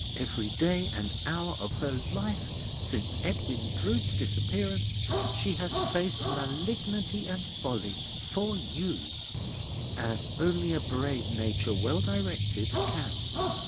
Every day and hour of her life since Edwin Drood's disappearance, she has faced malignity and folly—for you—as only a brave nature well directed can.